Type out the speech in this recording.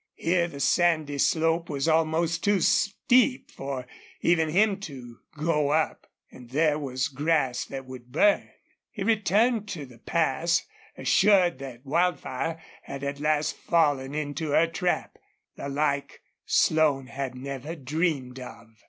Here the sandy slope was almost too steep for even him to go up. And there was grass that would burn. He returned to the pass assured that Wildfire had at last fallen into a trap the like Slone had never dreamed of.